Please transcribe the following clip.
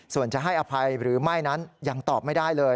ส่วนจะให้อภัยหรือไม่นั้นยังตอบไม่ได้เลย